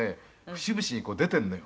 節々にこう出てるのよ」